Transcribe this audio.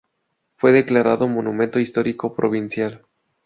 Fue declarado Monumento Histórico Provincial.